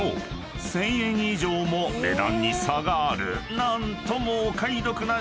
１，０００円以上も値段に差がある何ともお買い得な商品］